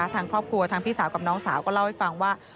ทางครอบครัวทางพี่สาวกับน้องสาวก็เล่าให้ฟังว่า